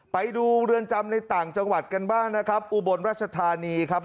ไปดูเรือนจำในต่างจังหวัดกันบ้างนะครับอุบลราชธานีครับ